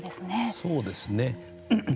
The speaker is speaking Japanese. そうですね。